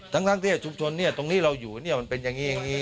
ทั้งที่ชุมชนตรงนี้เราอยู่มันเป็นอย่างนี้อย่างนี้